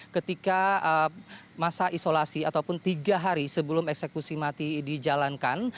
ketika masa isolasi ataupun tiga hari sebelum eksekusi mati dijalankan